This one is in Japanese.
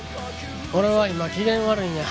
俺は今機嫌悪いんや。